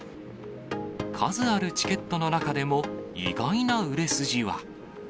数あるチケットの中でも、意外な売れ筋は。